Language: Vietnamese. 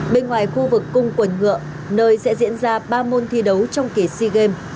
bên ngoài khu vực cung quần ngựa nơi sẽ diễn ra ba môn thi đấu trong kỳ sea games